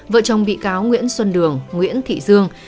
vợ chồng bị cáo nguyễn xuân đường nguyễn thị dương